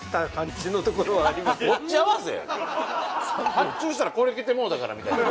発注したらこれ来てもうたからみたいな？